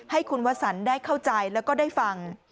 ให้คุณวสันได้เข้าใจแล้วก็ได้ฟัง